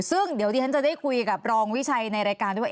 ซึ่งเดี๋ยวดิฉันจะได้คุยกับรองวิชัยในรายการด้วยว่า